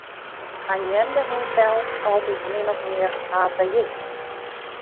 Hy neamde himsels altyd min of mear ateïst.